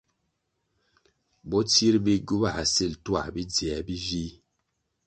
Botsir bihgu báh sil tuah bi dzier bi vih.